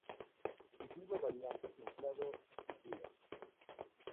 Su clima varía entre templado y frío.